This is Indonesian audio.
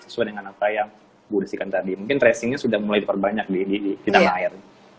sesuai dengan apa yang bu desikan tadi mungkin tracingnya sudah mulai diperbanyak di tanah air